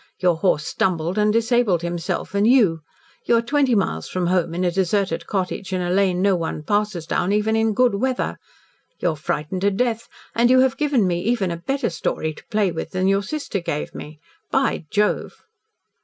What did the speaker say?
Your horse stumbled and disabled himself and you. You are twenty miles from home in a deserted cottage in a lane no one passes down even in good weather. You are frightened to death and you have given me even a better story to play with than your sister gave me. By Jove!"